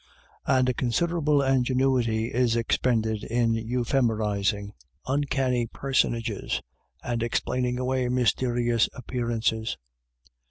And considerable in genuity is expended in euhemerising uncanny per sonages, and explaining away mysterious appear ances.